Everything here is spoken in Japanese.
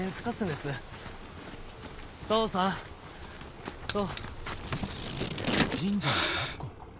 父さん！と。